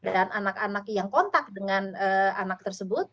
dan anak anak yang kontak dengan anak tersebut